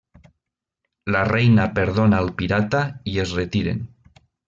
La reina perdona al pirata i es retiren.